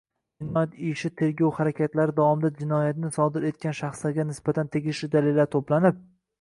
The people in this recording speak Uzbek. Jinoyat ishi tergov harakatlari davomida jinoyatni sodir etgan shaxslarga nisbatan tegishli dalil to‘planib